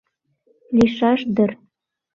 Лийшаш дыр.